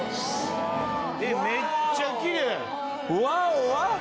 えっめっちゃきれい！